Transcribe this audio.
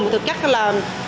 thực chất là